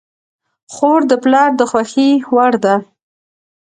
خور د پلار د خوښې وړ ده.